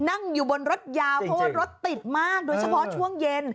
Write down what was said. นั่งอยู่บนรถยาวเพราะว่ารถติดมากโดยเฉพาะช่วงเย็น